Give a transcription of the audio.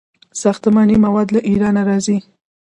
ساختماني مواد له ایران راځي.